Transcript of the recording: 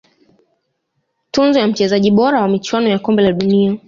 tuzo ya mchezaji bora wa michuano ya kombe la dunia